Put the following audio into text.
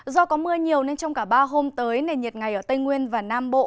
do có mưa nhiều nên trong cả ba hôm tới nền nhiệt ngày ở tây nguyên và nam bộ